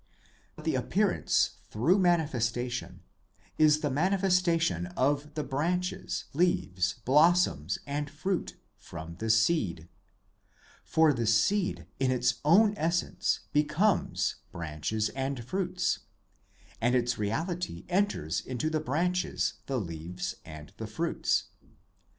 But the appearance through manifestation is the manifestation of the branches, leaves, blossoms and fruit from the seed ; for the seed in its own essence becomes branches and fruits, and its reality enters into the branches, the leaves, and fruits.